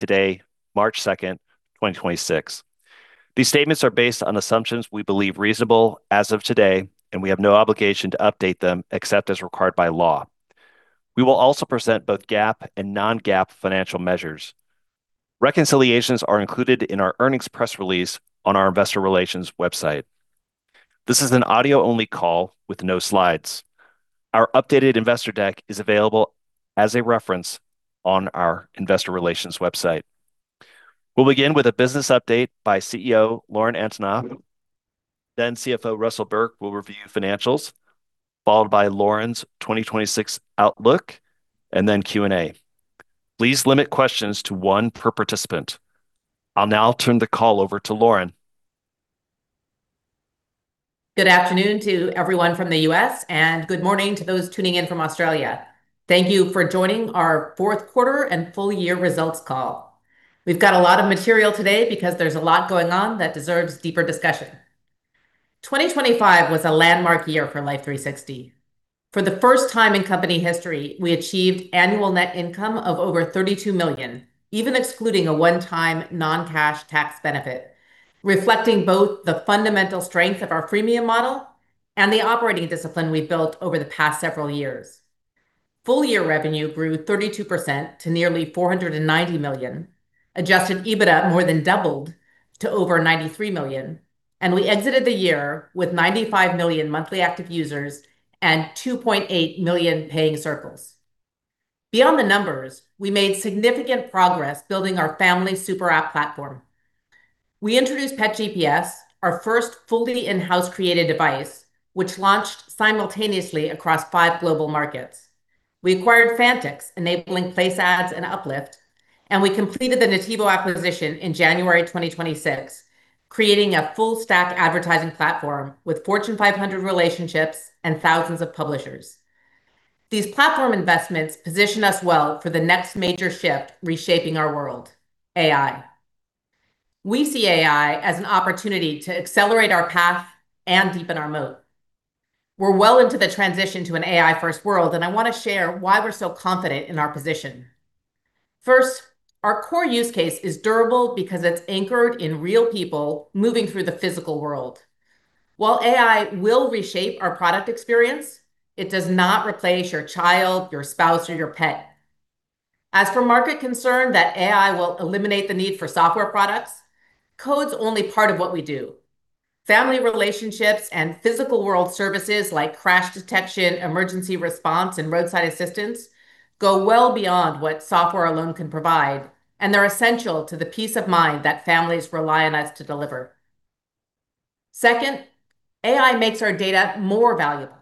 Today, March 2nd, 2026. These statements are based on assumptions we believe reasonable as of today, and we have no obligation to update them except as required by law. We will also present both GAAP and non-GAAP financial measures. Reconciliations are included in our earnings press release on our investor relations website. This is an audio-only call with no Slides. Our updated investor deck is available as a reference on our investor relations website. We'll begin with a business update by CEO Lauren Antonoff, then CFO Russell Burke will review financials, followed by Lauren's 2026 outlook, and then Q&A. Please limit questions to one per participant. I'll now turn the call over to Lauren. Good afternoon to everyone from the U.S., and good morning to those turning in from Australia. Thank you for joining our 4th 1/4 and full year results call. We've got a lot of material today because there's a lot going on that deserves deeper discussion. 2025 was a landmark year for Life360. For the first time in company history, we achieved annual net income of over $32 million, even excluding a one-time non-cash tax benefit, reflecting both the fundamental strength of our premium model and the operating discipline we've built over the past several years. Full year revenue grew 32% to nearly $490 million. Adjusted EBITDA more than doubled to over $93 million, and we exited the year with 95 million monthly active users and 2.8 million Paying Circles. Beyond the numbers, we made significant progress building our Family Super App platform. We introduced Pet GPS, our first fully in-house created device, which launched simultaneously across 5 global markets. We acquired uncertain, enabling Place Ads and Uplift, we completed the Nativo acquisition in January 2026, creating a full stack advertising platform with Fortune 500 relationships and thousands of publishers. These platform investments position us well for the next major shift reshaping our world, AI. We see AI as an opportunity to accelerate our path and deepen our moat. We're well into the transition to an AI-first world, I want to share why we're so confident in our position. First, our core use case is durable because it's anchored in real people moving through the physical world. While AI will reshape our product experience, it does not replace your child, your spouse, or your pet. As for market concern that AI will eliminate the need for software products, code's only part of what we do. Family relationships and physical world services like Crash Detection, emergency response, and roadside assistance go well beyond what software alone can provide, and they're essential to the peace of mind that families rely on us to deliver. Second, AI makes our data more valuable.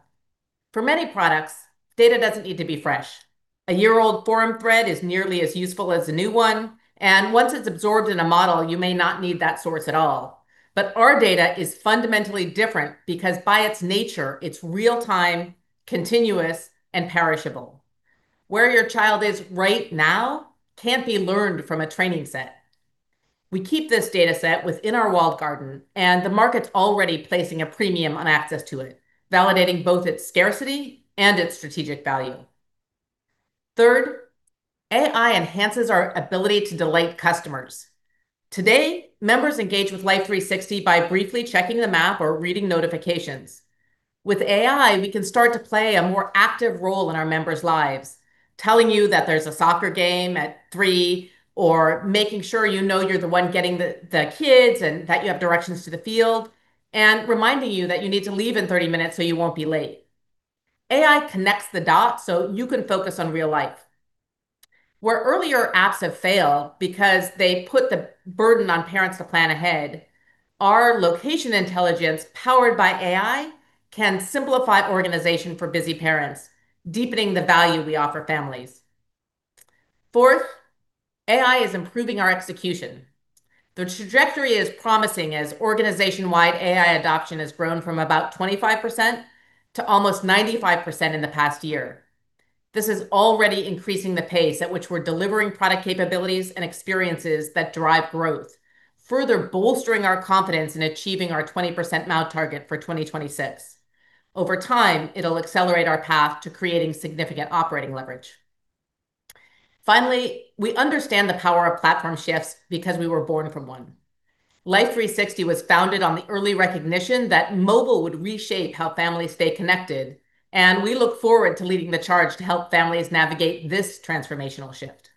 For many products, data doesn't need to be fresh. A year-old forum thread is nearly as useful as a new one, and once it's absorbed in a model, you may not need that source at all. Our data is fundamentally different because by its nature, it's real-time, continuous, and perishable. Where your child is right now can't be learned from a training set. We keep this data set within our walled garden, and the market's already placing a premium on access to it, validating both its scarcity and its strategic value. Third, AI enhances our ability to delight customers. Today, members engage with Life360 by briefly checking the map or reading notifications. With AI, we can start to play a more active role in our members' lives, telling you that there's a soccer game at 3, or making sure you know you're the one getting the kids and that you have directions to the field, and reminding you that you need to leave in 30 minutes so you won't be late. AI connects the dots so you can focus on real life. Where earlier apps have failed because they put the burden on parents to plan ahead, our location intelligence powered by AI can simplify organization for busy parents, deepening the value we offer families. Fourth, AI is improving our execution. The trajectory is promising as organization-wide AI adoption has grown from about 25% to almost 95% in the past year. This is already increasing the pace at which we're delivering product capabilities and experiences that drive growth, further bolstering our confidence in achieving our 20% MAU target for 2026. Over time, it'll accelerate our path to creating significant operating leverage. We understand the power of platform shifts because we were born from one. Life360 was founded on the early recognition that mobile would reshape how families stay connected, and we look forward to leading the charge to help families navigate this transformational shift.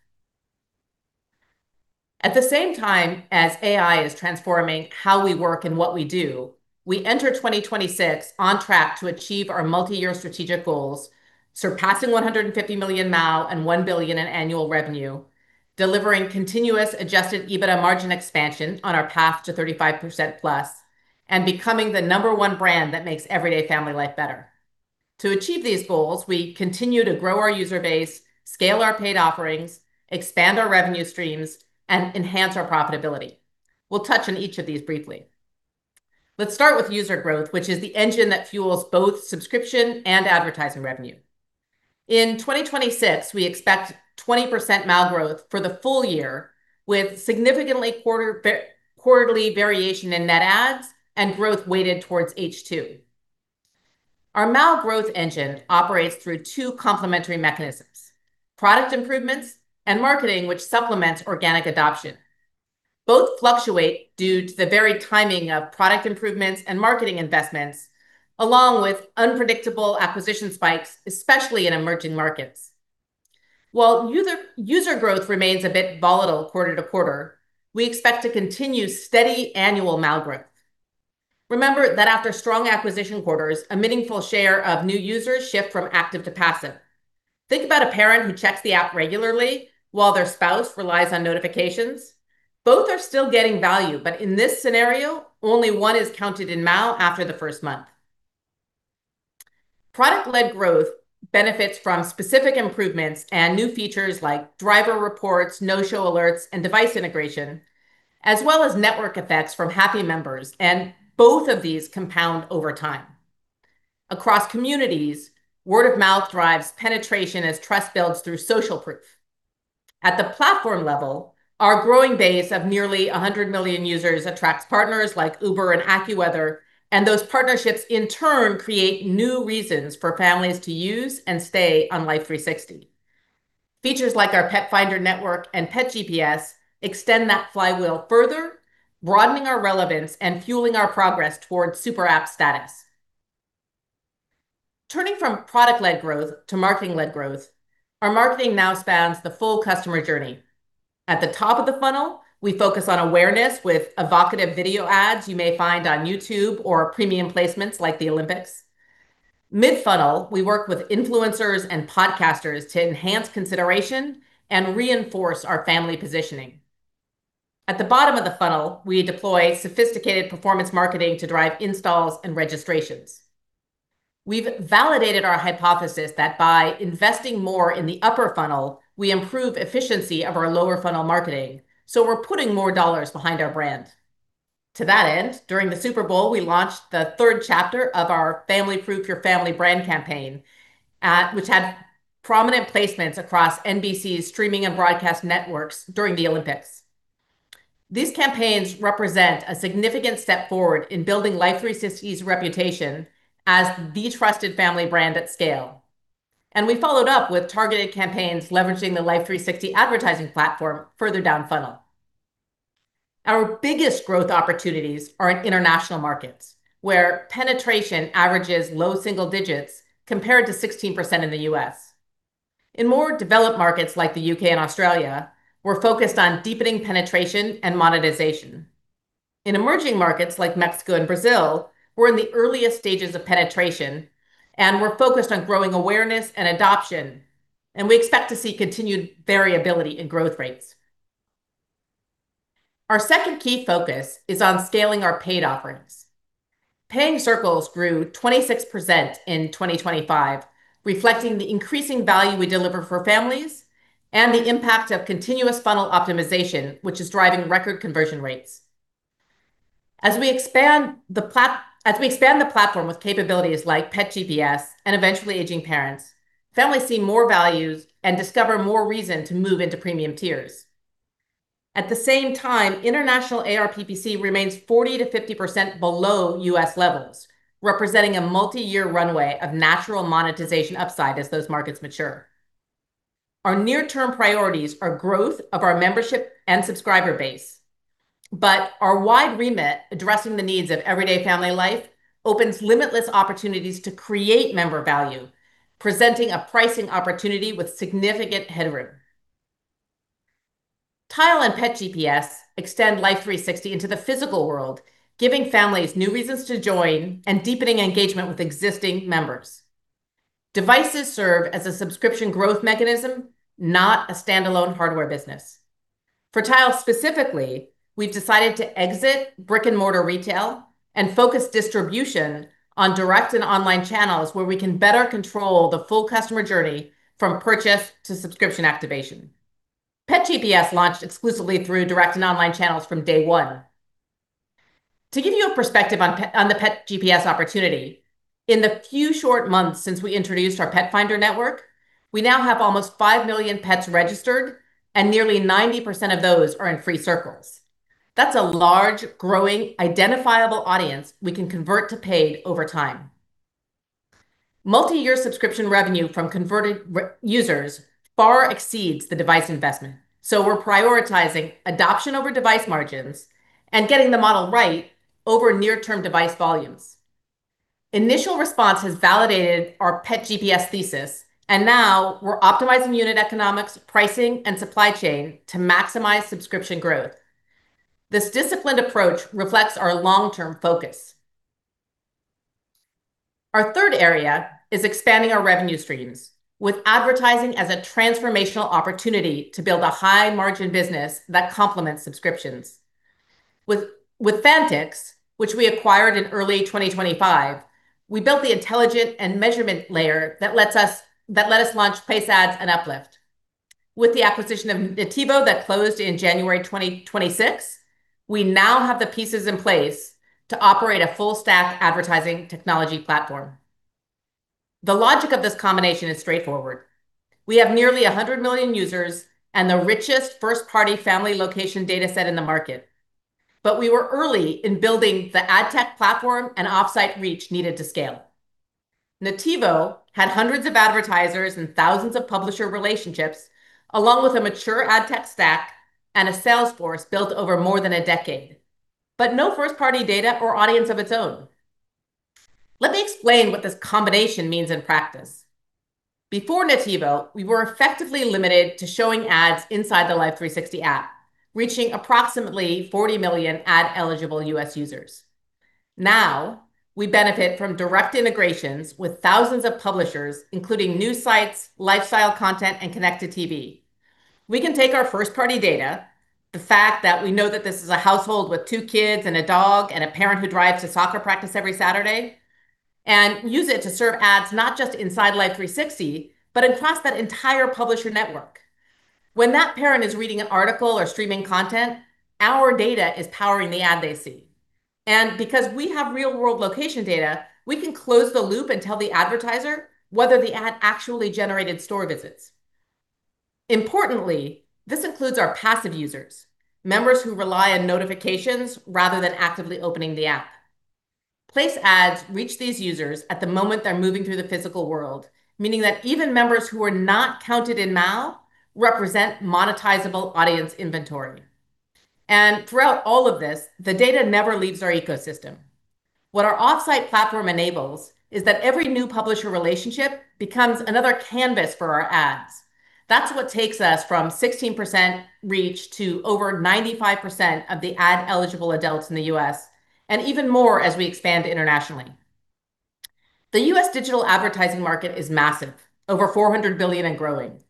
At the same time as AI is transforming how we work and what we do, we enter 2026 on track to achieve our multi-year strategic goals, surpassing 150 million MAU and $1 billion in annual revenue, delivering continuous Adjusted EBITDA margin expansion on our path to 35%+, and becoming the number 1 brand that makes everyday family life better. To achieve these goals, we continue to grow our user base, scale our paid offerings, expand our revenue streams, and enhance our profitability. We'll touch on each of these briefly. Let's start with user growth, which is the engine that fuels both subscription and advertising revenue. In 2026, we expect 20% MAU growth for the full year with significantly quarter variation in net adds and growth weighted towards H2. Our MAU growth engine operates through 2 complementary mechanisms: product improvements and marketing, which supplements organic adoption. Both fluctuate due to the very timing of product improvements and marketing investments, along with unpredictable acquisition spikes, especially in emerging markets. While user growth remains a bit volatile 1/4 to 1/4, we expect to continue steady annual MAU growth. Remember that after strong acquisition quarter, a meaningful share of new users shift from active to passive. Think about a parent who checks the app regularly while their spouse relies on notifications. Both are still getting value, but in this scenario, only 1 is counted in MAU after the first month. Product-led growth benefits from specific improvements and new features like Driver Reports, No Show Alerts, and device integration, as well as network effects from happy members, and both of these compound over time. Across communities, word of mouth drives penetration as trust builds through social proof. At the platform level, our growing base of nearly 100 million users attracts partners like Uber and AccuWeather, and those partnerships in turn create new reasons for families to use and stay on Life360. Features like our Pet Finder Network and Pet GPS extend that flywheel further, broadening our relevance and fueling our progress towards Super App status. Turning from product-led growth to marketing-led growth, our marketing now spans the full customer journey. At the top of the funnel, we focus on awareness with evocative video ads you may find on YouTube or premium placements like the Olympics. Mid funnel, we work with influencers and podcasters to enhance consideration and reinforce our family positioning. At the bottom of the funnel, we deploy sophisticated performance marketing to drive installs and registrations. We've validated our hypothesis that by investing more in the upper funnel, we improve efficiency of our lower funnel marketing, so we're putting more dollars behind our brand. To that end, during the Super Bowl, we launched the third chapter of our Family-Proof Your Family brand campaign which had prominent placements across NBC's streaming and broadcast networks during the Olympics. These campaigns represent a significant step forward in building Life360's reputation as the trusted family brand at scale. We followed up with targeted campaigns leveraging the Life360 ad platform further down funnel. Our biggest growth opportunities are in international markets, where penetration averages low single digits compared to 16% in the U.S. In more developed markets like the U.K. and Australia, we're focused on deepening penetration and monetization. In emerging markets like Mexico and Brazil, we're in the earliest stages of penetration, and we're focused on growing awareness and adoption. We expect to see continued variability in growth rates. Our second key focus is on scaling our paid offerings. Paying Circles grew 26% in 2025, reflecting the increasing value we deliver for families and the impact of continuous funnel optimization, which is driving record conversion rates. As we expand the platform with capabilities like Pet GPS and eventually Aging Parents, families see more values and discover more reason to move into premium tiers. At the same time, international ARPPC remains 40%-50% below U.S. levels, representing a multi-year runway of natural monetization upside as those markets mature. Our near term priorities are growth of our membership and subscriber base. Our wide remit addressing the needs of everyday family life opens limitless opportunities to create member value, presenting a pricing opportunity with significant headroom. Tile and Pet GPS extend Life360 into the physical world, giving families new reasons to join and deepening engagement with existing members. Devices serve as a subscription growth mechanism, not a standalone hardware business. For Tile specifically, we've decided to exit brick-and-mortar retail and focus distribution on direct and online channels where we can better control the full customer journey from purchase to subscription activation. Pet GPS launched exclusively through direct and online channels from day one. To give you a perspective on the Pet GPS opportunity, in the few short months since we introduced our Pet Finder Network, we now have almost 5 million pets registered, and nearly 90% of those are in free circles. That's a large, growing, identifiable audience we can convert to paid over time. Multi-year subscription revenue from converted users far exceeds the device investment, so we're prioritizing adoption over device margins and getting the model right over near term device volumes. Initial response has validated our Pet GPS thesis, and now we're optimizing unit economics, pricing, and supply chain to maximize subscription growth. This disciplined approach reflects our long-term focus. Our third area is expanding our revenue streams with advertising as a transformational opportunity to build a high-margin business that complements subscriptions. With Fantix, which we acquired in early 2025, we built the intelligent and measurement layer that let us launch Place Ads and Uplift. With the acquisition of Nativo that closed in January 2026, we now have the pieces in place to operate a full stack advertising technology platform. The logic of this combination is straightforward. We have nearly 100 million users and the richest first-party family location data set in the market. We were early in building the ad tech platform and off-site reach needed to scale. Nativo had hundreds of advertisers and thousands of publisher relationships, along with a mature ad tech stack and a sales force built over more than a decade, but no first-party data or audience of its own. Let me explain what this combination means in practice. Before Nativo, we were effectively limited to showing ads inside the Life360 app, reaching approximately 40 million ad-eligible U.S. users. We benefit from direct integrations with thousands of publishers, including news sites, lifestyle content, and connected TV. We can take our first-party data, the fact that we know that this is a household with 2 kids and a dog and a parent who drives to soccer practice every Saturday, and use it to serve ads, not just inside Life360, but across that entire publisher network. When that parent is reading an article or streaming content, our data is powering the ad they see. Because we have real-world location data, we can close the loop and tell the advertiser whether the ad actually generated store visits. Importantly, this includes our passive users, members who rely on notifications rather than actively opening the app. Place Ads reach these users at the moment they're moving through the physical world, meaning that even members who are not counted in MAU represent monetizable audience inventory. Throughout all of this, the data never leaves our ecosystem. What our off-site platform enables is that every new publisher relationship becomes another canvas for our ads. That's what takes us from 16% reach to over 95% of the ad-eligible adults in the U.S., and even more as we expand internationally. The U.S. digital advertising market is massive, over $400 billion and growing.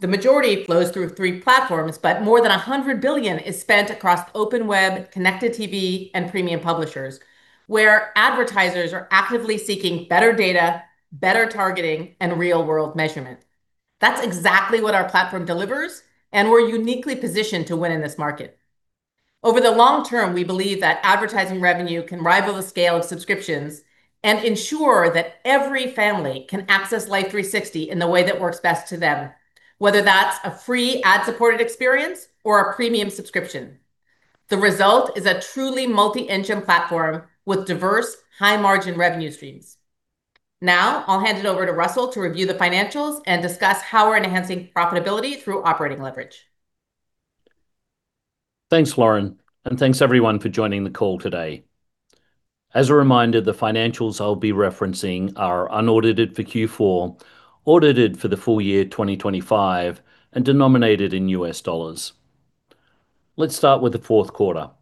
The majority flows through 3 platforms, but more than $100 billion is spent across open web, connected TV, and premium publishers, where advertisers are actively seeking better data, better targeting, and real-world measurement. That's exactly what our platform delivers, and we're uniquely positioned to win in this market. Over the long term, we believe that advertising revenue can rival the scale of subscriptions and ensure that every family can access Life360 in the way that works best to them, whether that's a free ad-supported experience or a premium subscription. The result is a truly multi-engine platform with diverse high-margin revenue streams. I'll hand it over to Russell to review the financials and discuss how we're enhancing profitability through operating leverage. Thanks, Lauren, and thanks everyone for joining the call today. As a reminder, the financials I'll be referencing are unaudited for Q4, audited for the full year 2025, and denominated in US dollars. Let's start with the 4th 1/4.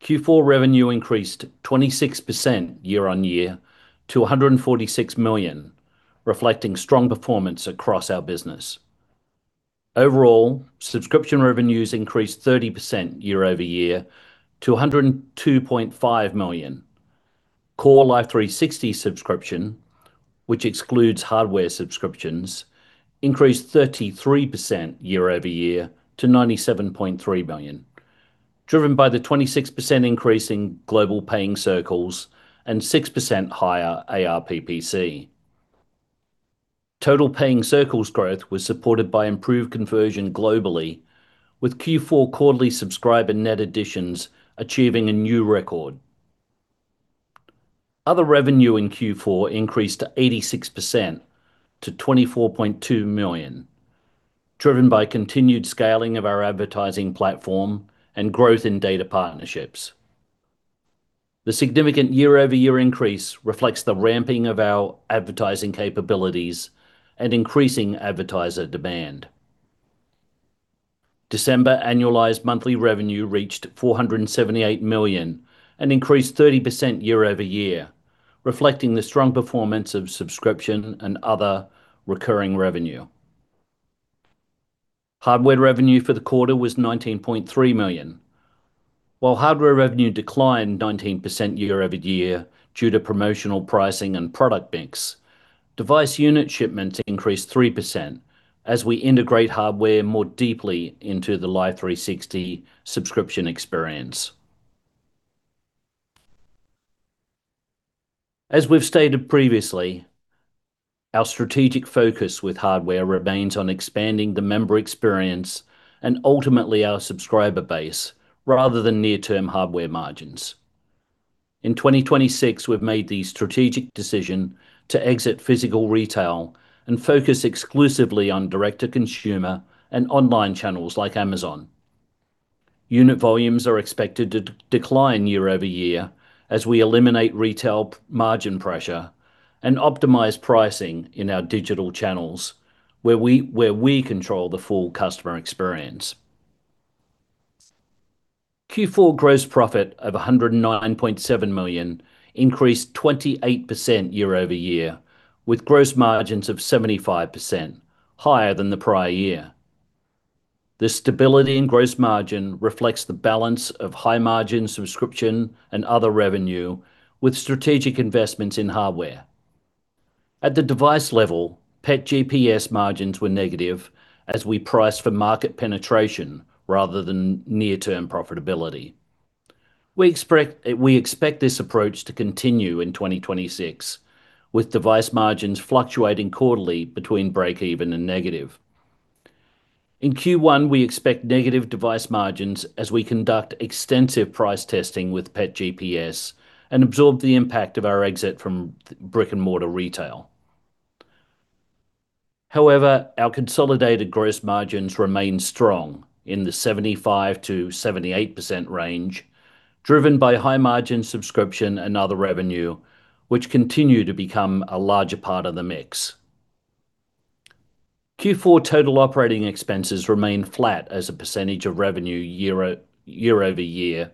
Q4 revenue increased 26% year-on-year to $146 million, reflecting strong performance across our business. Overall, subscription revenues increased 30% year-over-year to $102.5 million. Core Life360 subscription, which excludes hardware subscriptions, increased 33% year-over-year to $97.3 million, driven by the 26% increase in global Paying Circles and 6% higher ARPPC. Total Paying Circles growth was supported by improved conversion globally, with Q4 quarter subscriber net additions achieving a new record. Other revenue in Q4 increased 86% to $24.2 million, driven by continued scaling of our advertising platform and growth in data partnerships. The significant year-over-year increase reflects the ramping of our advertising capabilities and increasing advertiser demand. December annualized monthly revenue reached $478 million and increased 30% year-over-year, reflecting the strong performance of subscription and other recurring revenue. Hardware revenue for the 1/4 was $19.3 million. While hardware revenue declined 19% year-over-year due to promotional pricing and product mix, device unit shipments increased 3% as we integrate hardware more deeply into the Life360 subscription experience. As we've stated previously, our strategic focus with hardware remains on expanding the member experience and ultimately our subscriber base rather than near-term hardware margins. In 2026, we've made the strategic decision to exit physical retail and focus exclusively on direct-to-consumer and online channels like Amazon. Unit volumes are expected to decline year-over-year as we eliminate retail margin pressure and optimize pricing in our digital channels where we control the full customer experience. Q4 gross profit of $109.7 million increased 28% year-over-year, with gross margins of 75% higher than the prior year. The stability in gross margin reflects the balance of high-margin subscription and other revenue with strategic investments in hardware. At the device level, Pet GPS margins were negative as we priced for market penetration rather than near-term profitability. We expect this approach to continue in 2026, with device margins fluctuating quarter between breakeven and negative. In Q1, we expect negative device margins as we conduct extensive price testing with Pet GPS and absorb the impact of our exit from brick-and-mortar retail. However, our consolidated gross margins remain strong in the 75%-78% range, driven by high margin subscription and other revenue, which continue to become a larger part of the mix. Q4 total operating expenses remain flat as a percentage of revenue year-over-year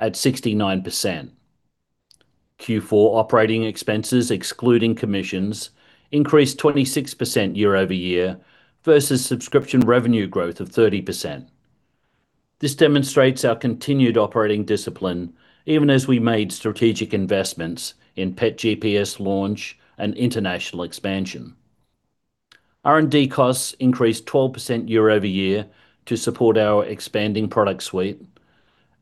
at 69%. Q4 operating expenses, excluding commissions, increased 26% year-over-year versus subscription revenue growth of 30%. This demonstrates our continued operating discipline even as we made strategic investments in Pet GPS launch and international expansion. R&D costs increased 12% year-over-year to support our expanding product suite.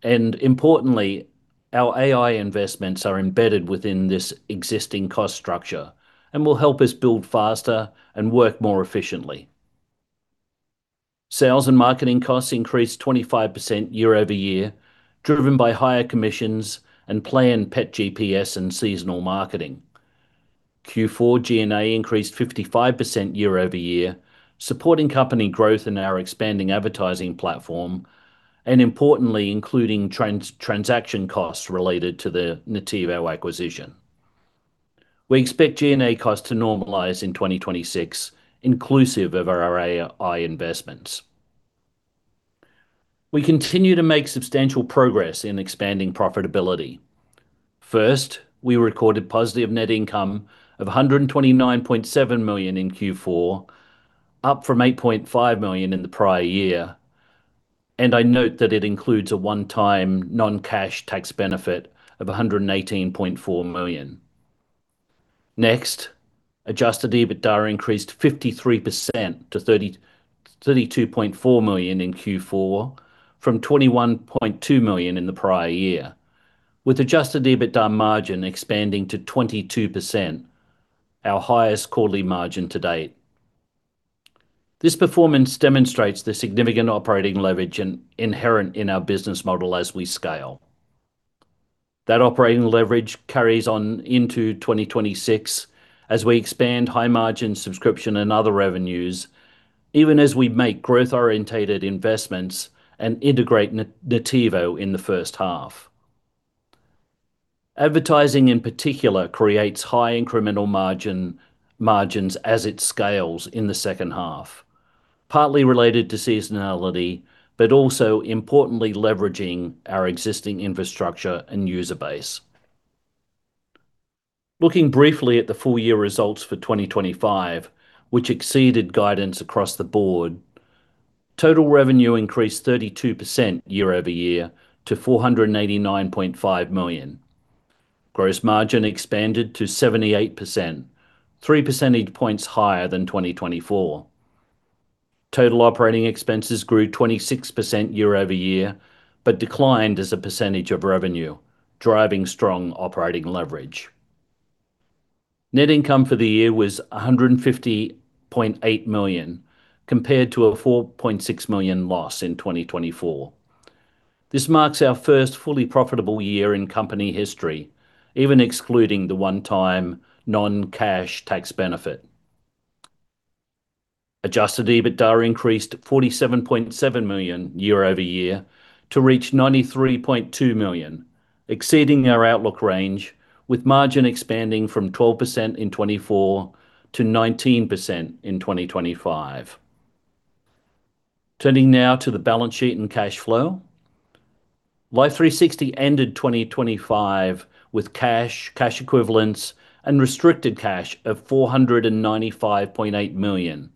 Importantly, our AI investments are embedded within this existing cost structure and will help us build faster and work more efficiently. Sales and marketing costs increased 25% year-over-year, driven by higher commissions and planned Pet GPS and seasonal marketing. Q4 G&A increased 55% year-over-year, supporting company growth in our expanding advertising platform, and importantly, including transaction costs related to the Nativo acquisition. We expect G&A costs to normalize in 2026, inclusive of our AI investments. We continue to make substantial progress in expanding profitability. First, we recorded positive net income of $129.7 million in Q4, up from $8.5 million in the prior year, and I note that it includes a one-time non-cash tax benefit of $118.4 million. Next, Adjusted EBITDA increased 53% to $32.4 million in Q4 from $21.2 million in the prior year, with Adjusted EBITDA margin expanding to 22%, our highest quarter margin to date. This performance demonstrates the significant operating leverage inherent in our business model as we scale. That operating leverage carries on into 2026 as we expand high-margin subscription and other revenues, even as we make growth-orientated investments and integrate Nativo in first 1/2. Advertising in particular creates high incremental margins as it scales in the second 1/2, partly related to seasonality, importantly leveraging our existing infrastructure and user base. Looking briefly at the full year results for 2025, which exceeded guidance across the board, total revenue increased 32% year-over-year to $489.5 million. Gross margin expanded to 78%, 3 percentage points higher than 2024. Total operating expenses grew 26% year-over-year, declined as a percentage of revenue, driving strong operating leverage. Net income for the year was $150.8 million, compared to a $4.6 million loss in 2024. This marks our first fully profitable year in company history, even excluding the one-time non-cash tax benefit. Adjusted EBITDA increased $47.7 million year-over-year to reach $93.2 million, exceeding our outlook range with margin expanding from 12% in 2024 to 19% in 2025. Turning now to the balance sheet and cash flow. Life360 ended 2025 with cash equivalents, and restricted cash of $495.8 million,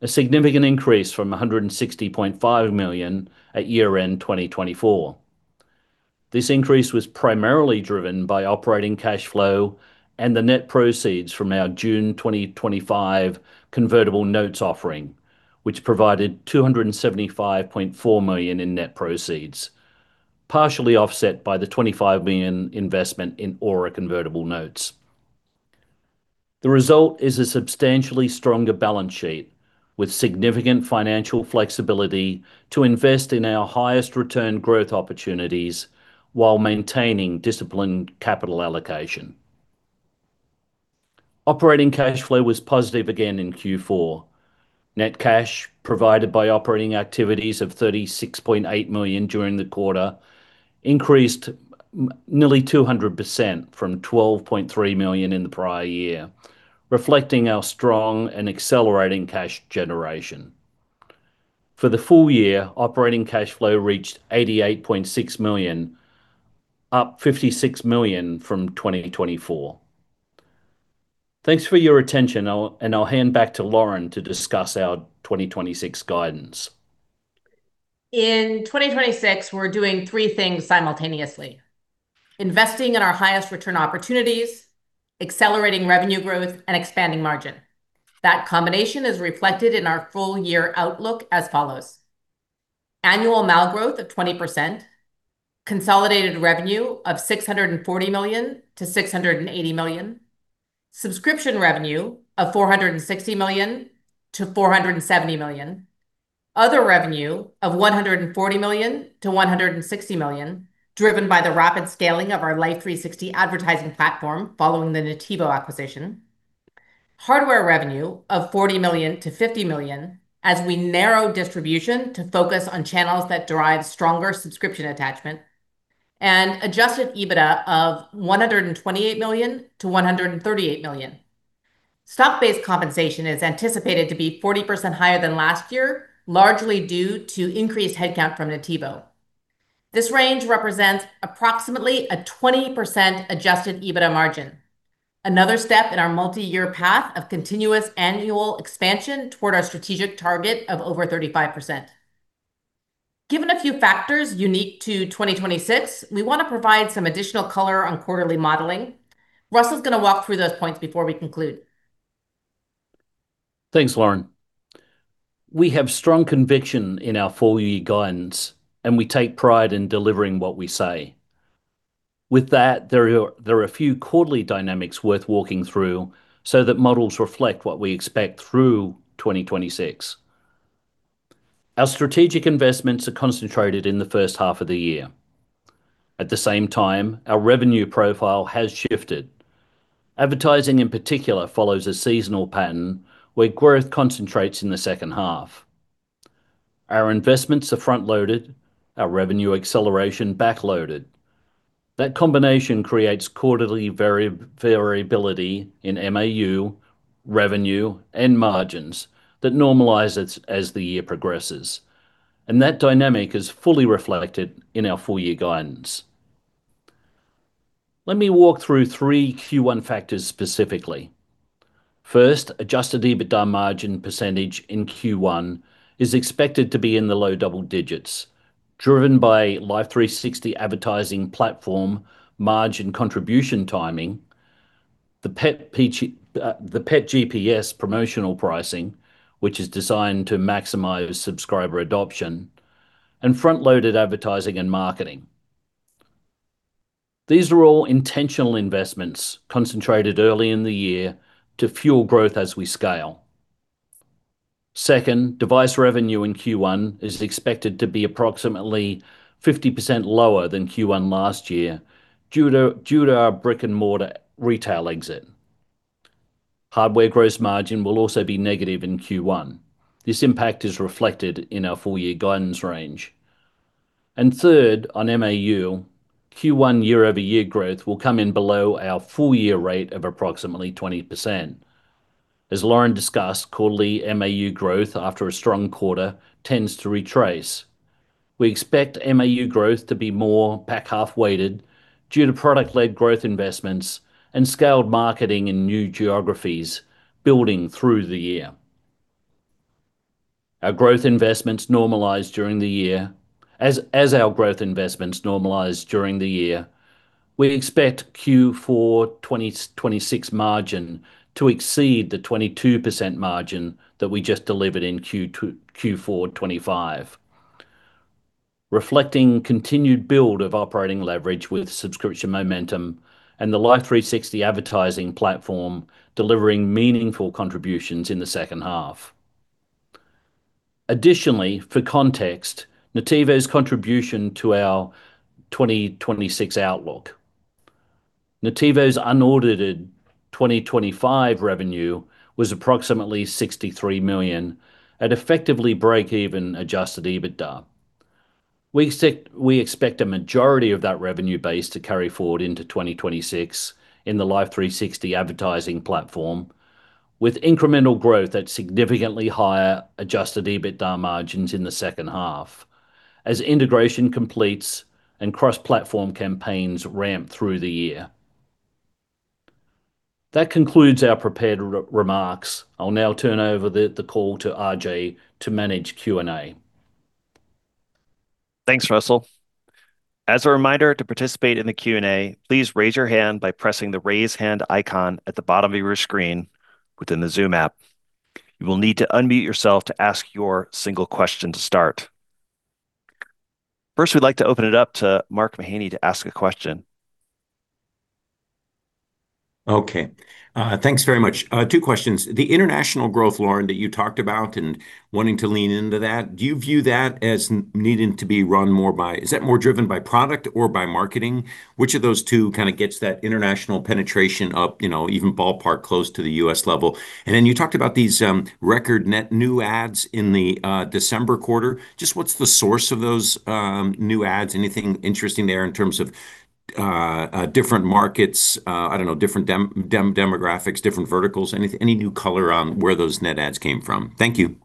a significant increase from $160.5 million at year-end 2024. This increase was primarily driven by operating cash flow and the net proceeds from our June 2025 convertible notes offering, which provided $275.4 million in net proceeds, partially offset by the $25 million investment in Aura convertible notes. The result is a substantially stronger balance sheet with significant financial flexibility to invest in our highest return growth opportunities while maintaining disciplined capital allocation. Operating cash flow was positive again in Q4. Net cash provided by operating activities of $36.8 million during the 1/4 increased nearly 200% from $12.3 million in the prior year, reflecting our strong and accelerating cash generation. For the full year, operating cash flow reached $88.6 million, up $56 million from 2024. Thanks for your attention. I'll hand back to Lauren to discuss our 2026 guidance. In 2026, we're doing 3 things simultaneously: investing in our highest return opportunities, accelerating revenue growth, and expanding margin. That combination is reflected in our full year outlook as follows. Annual MAU growth of 20%. Consolidated revenue of $640 million-$680 million. Subscription revenue of $460 million-$470 million. Other revenue of $140 million-$160 million, driven by the rapid scaling of our Life360 ad platform following the Nativo acquisition. Hardware revenue of $40 million-$50 million as we narrow distribution to focus on channels that drive stronger subscription attachment. Adjusted EBITDA of $128 million-$138 million. Stock-based compensation is anticipated to be 40% higher than last year, largely due to increased headcount from Nativo. This range represents approximately a 20% Adjusted EBITDA margin, another step in our multi-year path of continuous annual expansion toward our strategic target of over 35%. Given a few factors unique to 2026, we wanna provide some additional color on quarter modeling. Russell IS gonna walk through those points before we conclude. Thanks, Lauren. We have strong conviction in our full-year guidance, we take pride in delivering what we say. With that, there are a few quarter dynamics worth walking through so that models reflect what we expect through 2026. Our strategic investments are concentrated in first 1/2 of the year. At the same time, our revenue profile has shifted. Advertising in particular follows a seasonal pattern where growth concentrates in the second 1/2. Our investments are front-loaded, our revenue acceleration back-loaded. That combination creates quarter variability in MAU, revenue, and margins that normalize as the year progresses, and that dynamic is fully reflected in our full year guidance. Let me walk through 3 Q1 factors specifically. First, Adjusted EBITDA margin percentage in Q1 is expected to be in the low double digits, driven by Life360 ad platform margin contribution timing, the Pet GPS promotional pricing, which is designed to maximize subscriber adoption, and front-loaded advertising and marketing. These are all intentional investments concentrated early in the year to fuel growth as we scale. Second, device revenue in Q1 is expected to be approximately 50% lower than Q1 last year due to our brick-and-mortar retail exit. Hardware gross margin will also be negative in Q1. This impact is reflected in our full year guidance range. Third, on MAU, Q1 year-over-year growth will come in below our full year rate of approximately 20%. As Lauren discussed, quarter MAU growth after a strong 1/4 tends to retrace. We expect MAU growth to be more back-half weighted due to product-led growth investments and scaled marketing in new geographies building through the year. Our growth investments normalize during the year. As our growth investments normalize during the year, we expect Q4 2026 margin to exceed the 22% margin that we just delivered in Q4 2025, reflecting continued build of operating leverage with subscription momentum and the Life360 ad platform delivering meaningful contributions in the second half. Additionally, for context, Nativo's contribution to our 2026 outlook. Nativo's unaudited 2025 revenue was approximately $63 million at effectively break-even Adjusted EBITDA. We expect a majority of that revenue base to carry forward into 2026 in the Life360 ad platform, with incremental growth at significantly higher Adjusted EBITDA margins in the second 1/2 as integration completes and cross-platform campaigns ramp through the year. That concludes our prepared remarks. I'll now turn over the call to RJ to manage Q&A. Thanks, Russell. As a reminder, to participate in the Q&A, please raise your hand by pressing the Raise Hand icon at the bottom of your screen within the Zoom app. You will need to unmute yourself to ask your single question to start. First, we'd like to open it up to Mark Mahaney to ask a question. Okay. Thanks very much. Two questions. The international growth, Lauren, that you talked about and wanting to lean into that, do you view that as needing to be run more by, is that more driven by product or by marketing? Which of those 2 kinda gets that international penetration up, you know, even ballpark close to the U.S. level? Then you talked about these record net new ads in the December 1/4. Just what's the source of those new ads? Anything interesting there in terms of different markets, I don't know, different demographics, different verticals? Any new color on where those net ads came from? Thank you.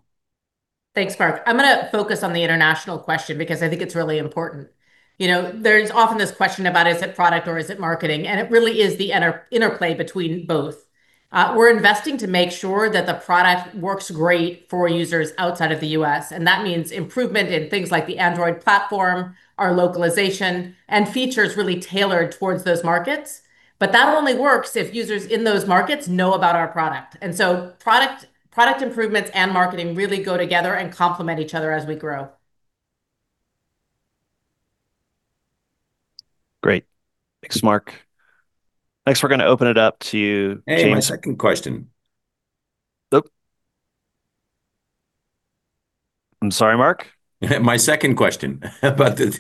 Thanks, Mark. I'm gonna focus on the international question because I think it's really important. You know, there's often this question about is it product or is it marketing, and it really is the interplay between both. We're investing to make sure that the product works great for users outside of the U.S., and that means improvement in things like the Android platform, our localization, and features really tailored towards those markets. That only works if users in those markets know about our product. Product improvements and marketing really go together and complement each other as we grow. Great. Thanks, Mark. Next, we're going to open it up to James... Hey, my second question. Oh. I'm sorry, Mark? My second question about the.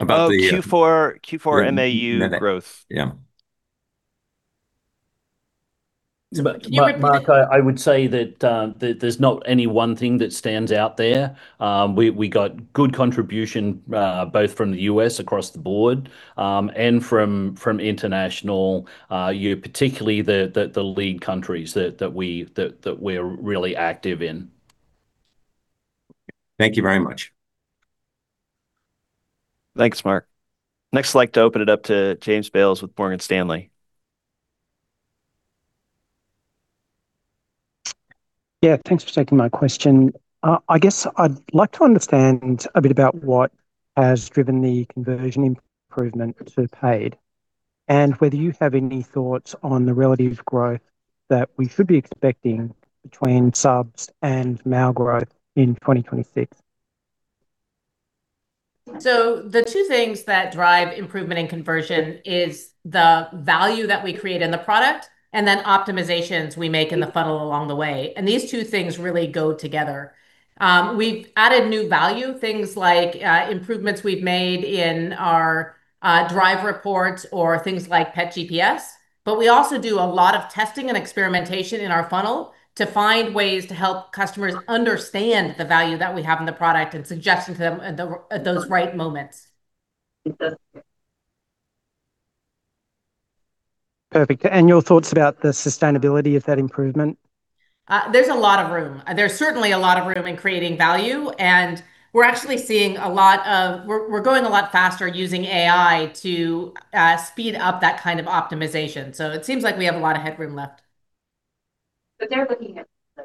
Oh, Q4 MAU growth.... MAU. Yeah. Mark- Mark, I would say that there's not any one thing that stands out there. We got good contribution both from the U.S. across the board, and from international, particularly the lead countries that we're really active in. Thank you very much. Thanks, Mark. Next I'd like to open it up to James Bales with Morgan Stanley. Yeah, thanks for taking my question. I guess I'd like to understand a bit about what has driven the conversion improvement to paid, and whether you have any thoughts on the relative growth that we should be expecting between subs and MAU growth in 2026. The 2 things that drive improvement in conversion is the value that we create in the product, and then optimizations we make in the funnel along the way, and these 2 things really go together. We've added new value, things like improvements we've made in our Driver Reports or things like Pet GPS. We also do a lot of testing and experimentation in our funnel to find ways to help customers understand the value that we have in the product and suggesting to them at the, at those right moments. Perfect. Your thoughts about the sustainability of that improvement? There's a lot of room. There's certainly a lot of room in creating value, and we're actually seeing a lot of... We're going a lot faster using AI to speed up that kind of optimization. It seems like we have a lot of headroom left.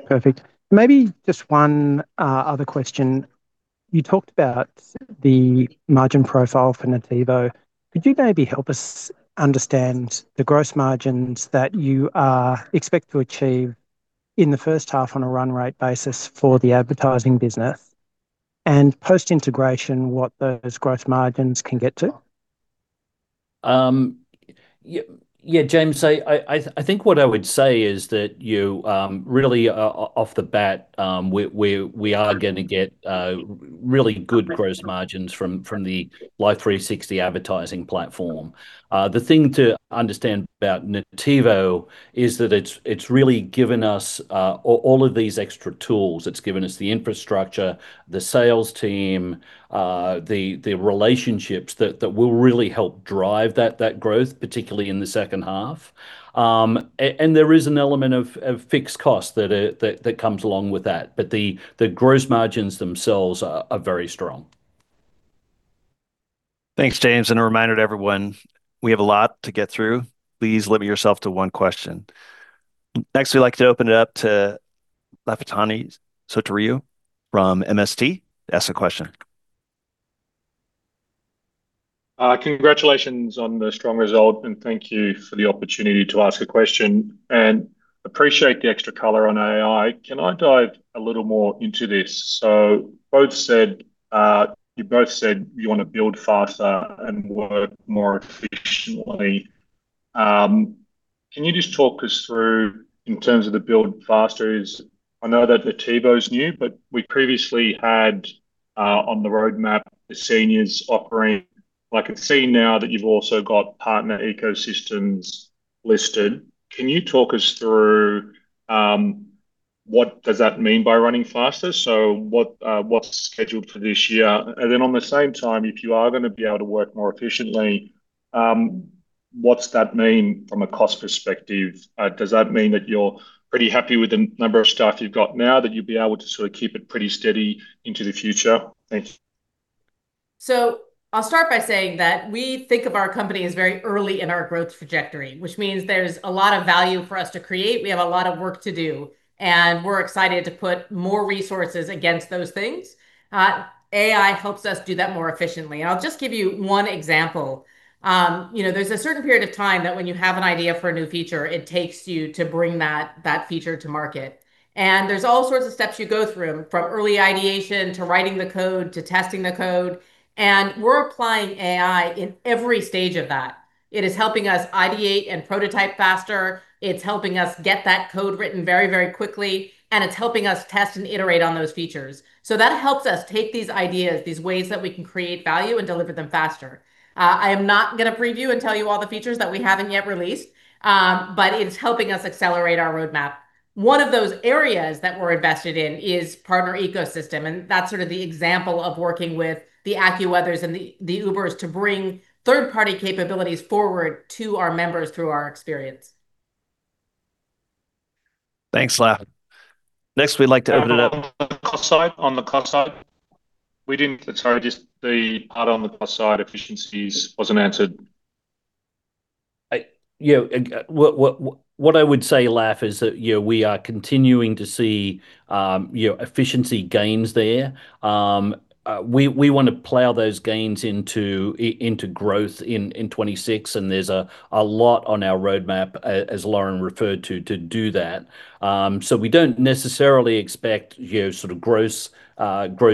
Perfect. Maybe just one other question. You talked about the margin profile for Nativo. Could you maybe help us understand the gross margins that you expect to achieve in the first 1/2 on a run rate basis for the advertising business? Post-integration, what those gross margins can get to? Yeah, James. I think what I would say is that you really off the bat we are gonna get really good gross margins from the Life360 advertising platform. The thing to understand about Nativo is that it's really given us all of these extra tools. It's given us the infrastructure, the sales team, the relationships that will really help drive that growth, particularly in the second 1/2. There is an element of fixed costs that comes along with that, but the gross margins themselves are very strong. Thanks, James. A reminder to everyone, we have a lot to get through. Please limit yourself to one question. Next, we'd like to open it up to Lafitani Sotiriou from MST to ask a question. Congratulations on the strong result, and thank you for the opportunity to ask a question. Appreciate the extra color on AI. Can I dive a little more into this? Both said, you both said you wanna build faster and work more efficiently. Can you just talk us through, in terms of the build faster? I know that Nativo's new, but we previously had on the roadmap the seniors operating. I can see now that you've also got partner ecosystems listed. Can you talk us through, what does that mean by running faster? What, what's scheduled for this year? On the same time, if you are gonna be able to work more efficiently, what's that mean from a cost perspective? Does that mean that you're pretty happy with the number of staff you've got now, that you'll be able to sort of keep it pretty steady into the future? Thank you. I'll start by saying that we think of our company as very early in our growth trajectory, which means there's a lot of value for us to create. We have a lot of work to do, and we're excited to put more resources against those things. AI helps us do that more efficiently. I'll just give you one example. You know, there's a certain period of time that when you have an idea for a new feature, it takes you to bring that feature to market. There's all sorts of steps you go through, from early ideation to writing the code, to testing the code, and we're applying AI in every stage of that. It is helping us ideate and prototype faster. It's helping us get that code written very, very quickly, and it's helping us test and iterate on those features. That helps us take these ideas, these ways that we can create value, and deliver them faster. I am not gonna preview and tell you all the features that we haven't yet released, but it's helping us accelerate our roadmap. One of those areas that we're invested in is partner ecosystem, and that's sort of the example of working with the AccuWeathers and the Ubers to bring third-party capabilities forward to our members through our experience. Thanks, Laf. Next, we'd like to open it up. On the cost side, sorry, just the part on the cost side efficiencies wasn't answered. Yeah, what I would say, Lafitani, is that, you know, we are continuing to see, you know, efficiency gains there. We wanna plow those gains into growth in 2026. There's a lot on our roadmap, as Lauren referred to do that. We don't necessarily expect, you know, sort of gross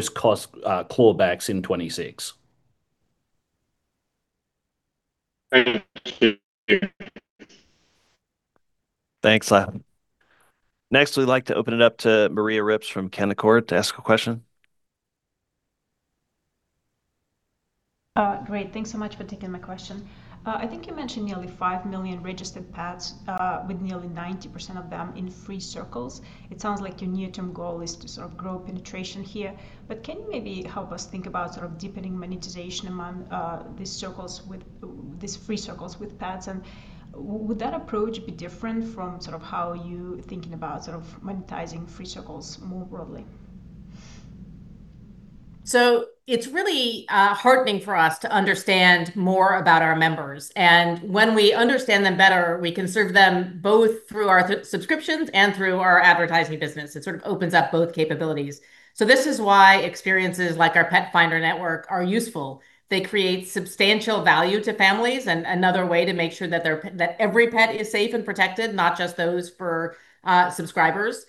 cost, clawbacks in 2026. Thank you. Thanks. next, we'd like to open it up to Maria Ripps from Canaccord to ask a question. Great. Thanks so much for taking my question. I think you mentioned nearly 5 million registered pets, with nearly 90% of them in free Circles. It sounds like your near-term goal is to sort of grow penetration here. But can you maybe help us think about sort of deepening monetization among these free Circles with pets? Would that approach be different from sort of how you thinking about sort of monetizing free Circles more broadly? It's really heartening for us to understand more about our members. When we understand them better, we can serve them both through our subscriptions and through our advertising business. It sort of opens up both capabilities. This is why experiences like our Pet Finder Network are useful. They create substantial value to families, another way to make sure that every pet is safe and protected, not just those for subscribers.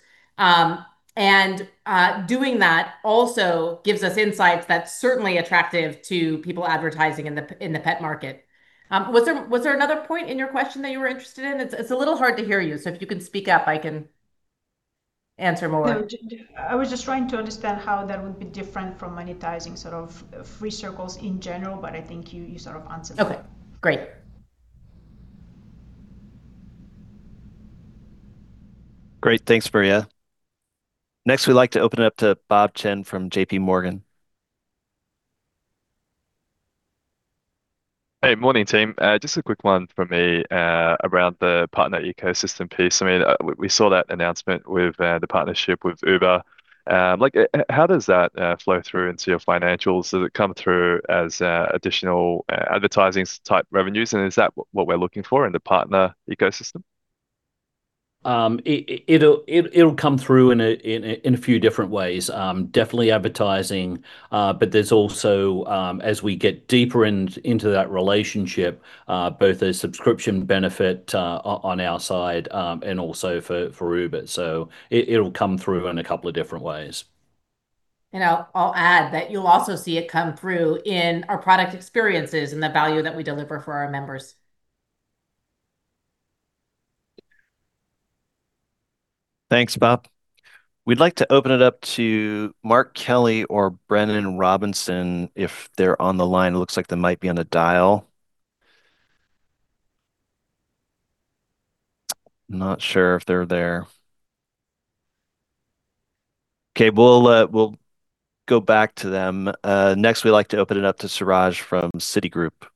Doing that also gives us insights that's certainly attractive to people advertising in the, in the pet market. Was there another point in your question that you were interested in? It's, it's a little hard to hear you, so if you can speak up, I can answer more. No. I was just trying to understand how that would be different from monetizing sort of, free Circles in general. I think you sort of answered that. Okay, great. Great. Thanks, Maria. We'd like to open it up to Bob Chen from JP Morgan. Hey. Morning, team. Just a quick one from me, around the partner ecosystem piece. I mean, we saw that announcement with the partnership with Uber. Like, how does that flow through into your financials? Does it come through as additional advertising type revenues, and is that what we're looking for in the partner ecosystem? It'll come through in a few different ways. Definitely advertising, but there's also, as we get deeper into that relationship, both a subscription benefit on our side, and also for Uber. It'll come through in a couple of different ways. I'll add that you'll also see it come through in our product experiences and the value that we deliver for our members. Thanks, Bob. We'd like to open it up to Mark Kelley or Brennan Robinson if they're on the line. It looks like they might be on a dial. Not sure if they're there. Okay. We'll go back to them. Next, we'd like to open it up to Suraj from Citigroup.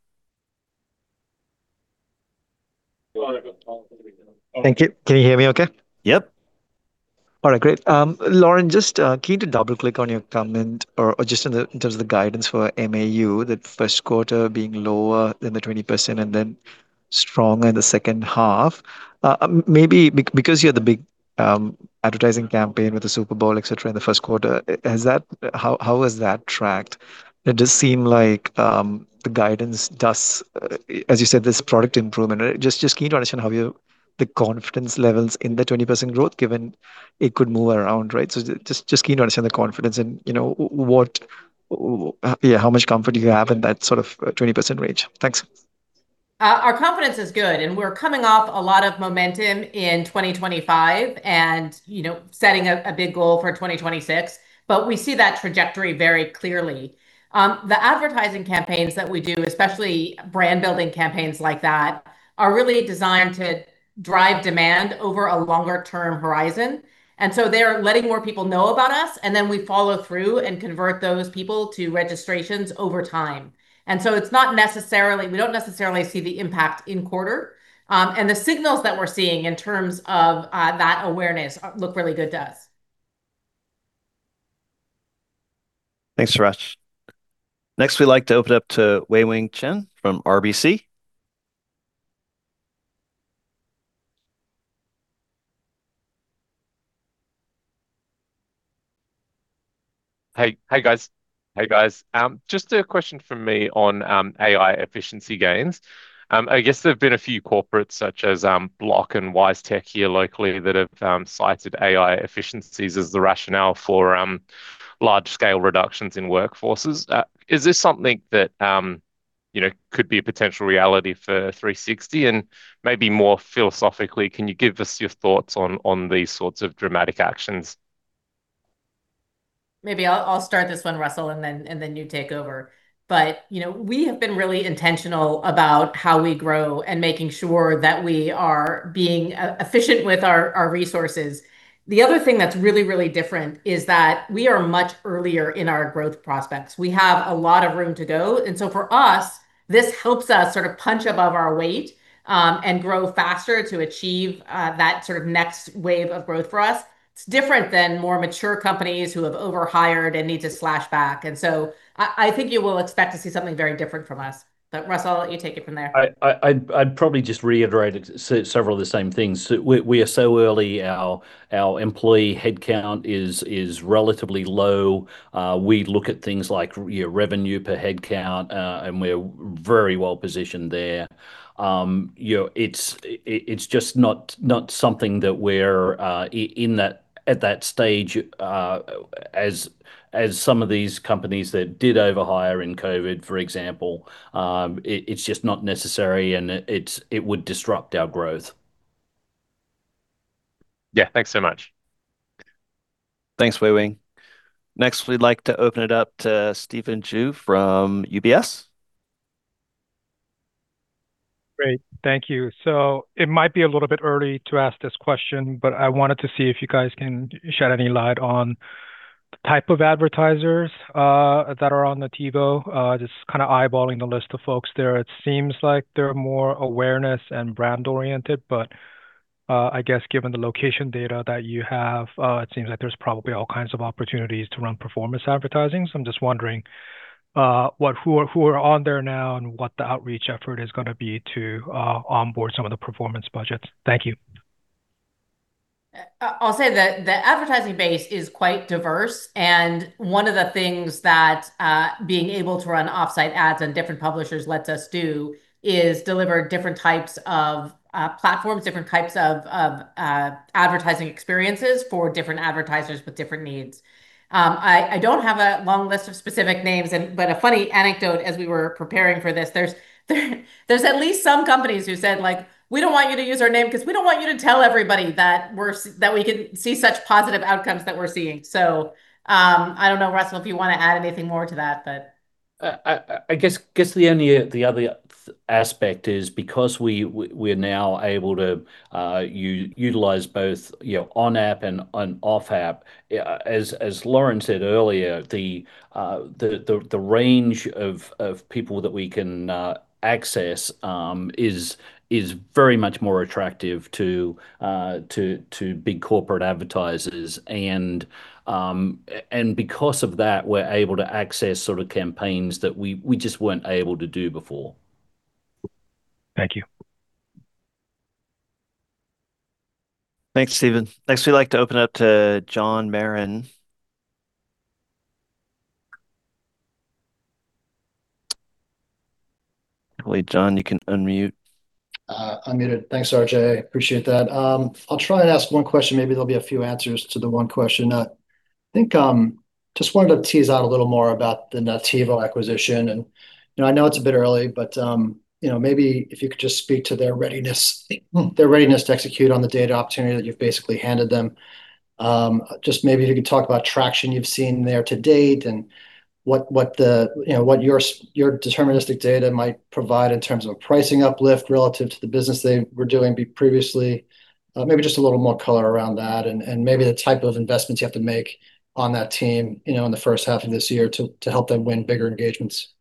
Thank you. Can you hear me okay? Yep. All right, great. Lauren, just keen to double-click on your comment, or just in terms of the guidance for MAU, the first 1/4 being lower than the 20% and then stronger in the second 1/2. Maybe because you had the big advertising campaign with the Super Bowl, et cetera, in the first 1/4, has that... how has that tracked? It does seem like the guidance does, as you said, there's product improvement. Just keen to understand how you... the confidence levels in the 20% growth, given it could move around, right? Just keen to understand the confidence and, you know, what, yeah, how much comfort do you have in that sort of 20% range. Thanks. Our confidence is good, and we're coming off a lot of momentum in 2025 and, you know, setting a big goal for 2026. We see that trajectory very clearly. The advertising campaigns that we do, especially brand building campaigns like that, are really designed to drive demand over a longer term horizon. They are letting more people know about us, and then we follow through and convert those people to registrations over time. We don't necessarily see the impact in 1/4. The signals that we're seeing in terms of that awareness look really good to us. Thanks, Suraj. Next, we'd like to open up to Wei-Weng Chen from RBC. Hey, guys. Hey, guys. Just a question from me on AI efficiency gains. I guess there have been a few corporates such as Block and WiseTech here locally that have cited AI efficiencies as the rationale for large scale reductions in workforces. Is this something that, you know, could be a potential reality for Life360? Maybe more philosophically, can you give us your thoughts on these sorts of dramatic actions? Maybe I'll start this one, Russell, and then you take over. You know, we have been really intentional about how we grow and making sure that we are being efficient with our resources. The other thing that's really, really different is that we are much earlier in our growth prospects. We have a lot of room to go. For us, this helps us sort of punch above our weight and grow faster to achieve that sort of next wave of growth for us. It's different than more mature companies who have overhired and need to slash back. I think you will expect to see something very different from us. Russell, I'll let you take it from there. I'd probably just reiterate several of the same things. We are so early. Our employee headcount is relatively low. We look at things like your revenue per headcount, and we're very well positioned there. You know, it's just not something that we're at that stage, as some of these companies that did overhire in COVID, for example. It's just not necessary, and it would disrupt our growth. Yeah, thanks so much. Thanks, Wei-Wei Feng. Next, we'd like to open it up to Steven Chu from UBS. Great. Thank you. It might be a little bit early to ask this question, but I wanted to see if you guys can shed any light on the type of advertisers that are on Nativo. Just kinda eyeballing the list of folks there, it seems like they're more awareness and brand oriented, but I guess given the location data that you have, it seems like there's probably all kinds of opportunities to run performance advertising. I'm just wondering who are on there now and what the outreach effort is gonna be to onboard some of the performance budgets. Thank you. I'll say the advertising base is quite diverse, and one of the things that being able to run offsite ads on different publishers lets us do is deliver different types of platforms, different types of advertising experiences for different advertisers with different needs. I don't have a long list of specific names and. A funny anecdote as we were preparing for this, there's at least some companies who said, like, "We don't want you to use our name 'cause we don't want you to tell everybody that we can see such positive outcomes that we're seeing." I don't know, Russell, if you wanna add anything more to that. I guess the only, the other aspect is because we're now able to utilize both, you know, on app and off app, as Lauren said earlier, the range of people that we can access is very much more attractive to big corporate advertisers. Because of that, we're able to access sort of campaigns that we just weren't able to do before. Thank you. Thanks, Steven. Next, we'd like to open up to John Marin. Wait, John, you can unmute. unmuted. Thanks, RJ. Appreciate that. I'll try and ask one question, maybe there'll be a few answers to the one question. Think, just wanted to tease out a little more about the Nativo acquisition. You know, I know it's a bit early, but, you know, maybe if you could just speak to their readiness, their readiness to execute on the data opportunity that you've basically handed them. Just maybe if you could talk about traction you've seen there to date and what the, you know, what your deterministic data might provide in terms of a pricing uplift relative to the business they were doing previously. Maybe just a little more color around that and maybe the type of investments you have to make on that team, you know, in first 1/2 of this year to help them win bigger engagements.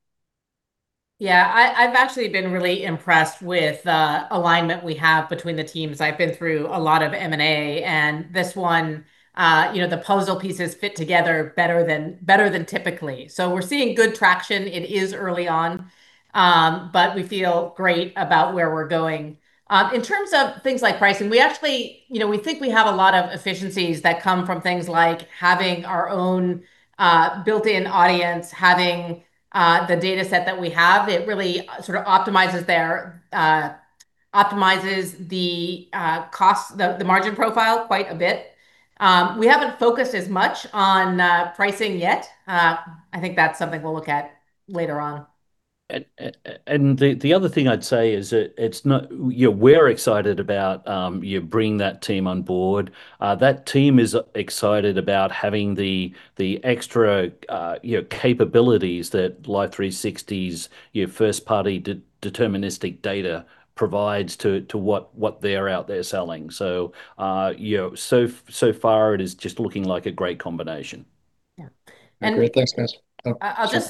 I've actually been really impressed with the alignment we have between the teams. I've been through a lot of M&A, and this one, you know, the puzzle pieces fit together better than typically. We're seeing good traction. It is early on, but we feel great about where we're going. In terms of things like pricing, you know, we think we have a lot of efficiencies that come from things like having our own built-in audience, having the data set that we have. It really sort of optimizes their, optimizes the cost, the margin profile quite a bit. We haven't focused as much on pricing yet. I think that's something we'll look at later on. The other thing I'd say is that it's not, you know, we're excited about you bring that team on board. That team is excited about having the extra, you know, capabilities that Life360's, you know, first-party deterministic data provides to what they're out there selling. You know, so far it is just looking like a great combination. Yeah. Great. Thanks, guys. Oh, sure.